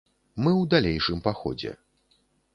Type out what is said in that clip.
Мы ў далейшым паходзе.